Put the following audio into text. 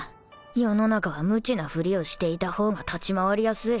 世の中は無知なふりをしていた方が立ち回りやすい